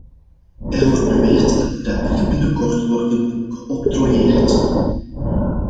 Er wordt beweerd dat therapieën binnenkort worden geoctrooieerd.